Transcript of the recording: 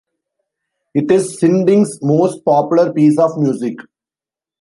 It is Sinding's most popular piece of music.